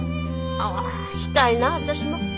あしたいな私も。